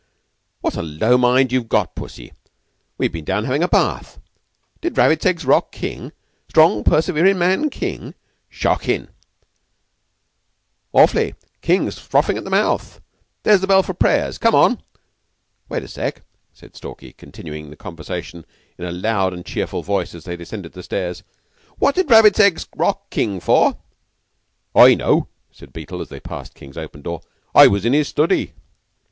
"What a low mind you've got, Pussy! We've been down having a bath. Did Rabbits Eggs rock King? Strong, perseverin' man King? Shockin'!" "Awf'ly. King's frothing at the mouth. There's bell for prayers. Come on." "Wait a sec," said Stalky, continuing the conversation in a loud and cheerful voice, as they descended the stairs. "What did Rabbits Eggs rock King for?" "I know," said Beetle, as they passed King's open door. "I was in his study."